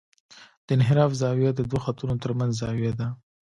د انحراف زاویه د دوه خطونو ترمنځ زاویه ده